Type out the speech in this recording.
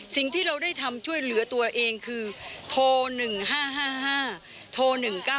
สิ่งที่เราได้ทำช่วยเหลือตัวเองคือโทร๑๕๕๕โทร๑๙๙